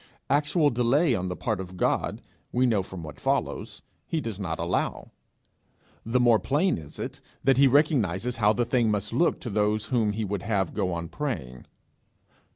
Actual delay on the part of God, we know from what follows, he does not allow; the more plain is it that he recognizes how the thing must look to those whom he would have go on praying.